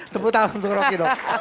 tepuk tangan untuk roky dong